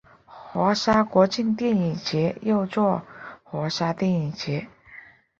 华沙国际电影节又作华沙电影节。